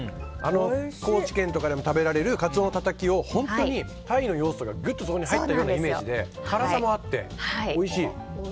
高知県とかでも食べられるカツオのたたきが本当にタイの要素がぐっとそこに入ったようなイメージで辛さもあって、おいしい。